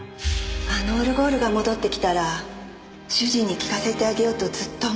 あのオルゴールが戻ってきたら主人に聴かせてあげようとずっと思っていました。